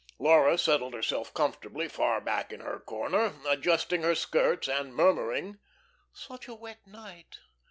Laura settled herself comfortably far back in her corner, adjusting her skirts and murmuring: "Such a wet night.